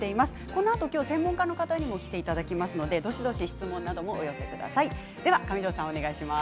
このあと専門家の方にも来ていただきますのでどしどし質問などもお寄せください。